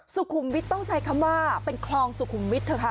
สุขุมวิทย์ต้องใช้คำว่าเป็นคลองสุขุมวิทย์เถอะค่ะ